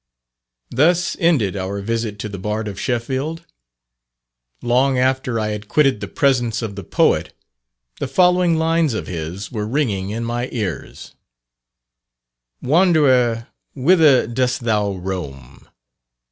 Thus ended our visit to the Bard of Sheffield. Long after I had quitted the presence of the poet, the following lines of his were ringing in my ears: "Wanderer, whither dost thou roam?